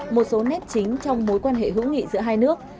một số nét chính trong mối quan hệ hữu nghị giữa hai nước